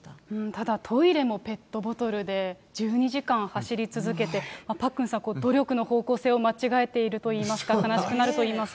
ただトイレもペットボトルで、１２時間走り続けて、パックンさん、努力の方向性を間違えているといいますか、悲しくなるといいます